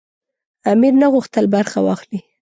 امیر نه غوښتل برخه واخلي.